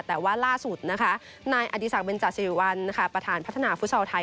แต่ว่าล่าสุดนะคะนายอดีศักดิเบนจาสิริวัลประธานพัฒนาฟุตซอลไทย